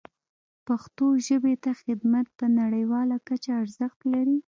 پښتو ژبې ته خدمت په نړیواله کچه ارزښت لري.